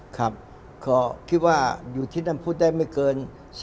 ครับเค้าคิดว่าอยู่ที่นั้นพูดได้ไม่เกิน๓๐